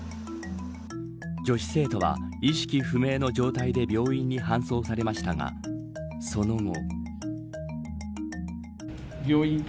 女子生徒は意識不明の状態で病院に搬送されましたがその後。